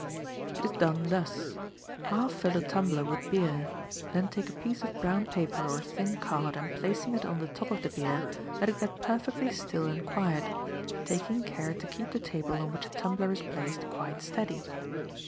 —It is done thus:—Half fill a tumbler with beer, then take a piece of brown paper or thin card, and placing it on the top of the beer, let it get perfectly still and quiet, taking care to keep the table on which the tumbler is placed quite steady.